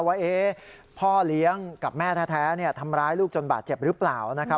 ว่าพ่อเลี้ยงกับแม่แท้ทำร้ายลูกจนบาดเจ็บหรือเปล่านะครับ